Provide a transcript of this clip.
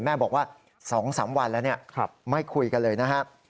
แม่บอกว่า๒๓วันแล้วไม่คุยกันเลยนะครับ